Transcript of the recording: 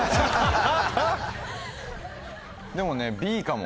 でもねＢかも。